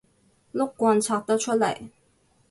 碌棍拆得出嚟